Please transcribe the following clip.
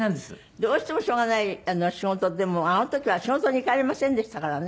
どうしてもしょうがない仕事でもあの時は仕事に行かれませんでしたからね。